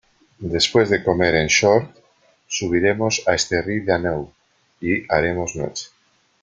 Después de comer en Sort, subiremos en Esterri d'Àneu, y haremos noche.